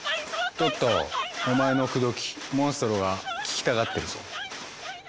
トットお前の「くどき」モンストロが聴きたがってるぞ。